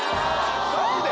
マジで？